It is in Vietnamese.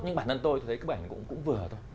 nhưng bản thân tôi tôi thấy cái bức ảnh cũng vừa thôi